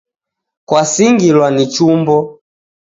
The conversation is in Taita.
Kwasingilwa ni chumbo